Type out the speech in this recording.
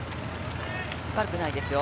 悪くないですよ。